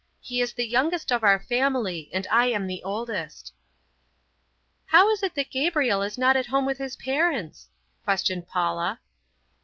He is the youngest of our family, and I am the oldest." "How is it that Gabriel is not at home with his parents?" questioned Paula.